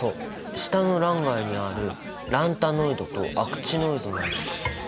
下の欄外にあるランタノイドとアクチノイドなんだけど。